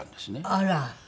あら！